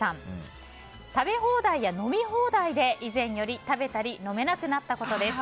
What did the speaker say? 食べ放題や飲み放題で、以前より食べたり飲めなくなったことです。